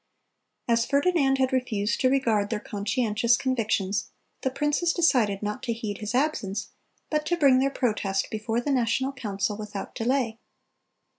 (295) As Ferdinand had refused to regard their conscientious convictions, the princes decided not to heed his absence, but to bring their Protest before the national council without delay.